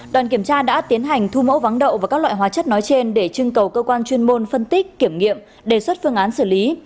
đoàn kiểm tra đã tiến hành thu mẫu váng đậu và các loại hóa chất nói trên để chưng cầu cơ quan chuyên môn phân tích kiểm nghiệm đề xuất phương án xử lý